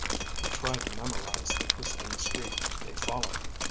He tried to memorize the twisting street they followed.